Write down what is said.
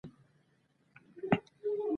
طبقاتي شعور او پښتو ادب کې.